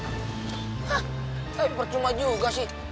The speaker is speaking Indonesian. hah percuma juga sih